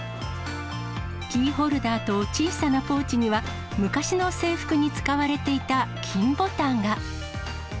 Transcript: キーホルダーと小さなポーチには、昔の制服に使われていた金ボタンが。